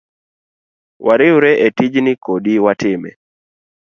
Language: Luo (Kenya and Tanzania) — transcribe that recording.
Wariwre etijni kodi watime.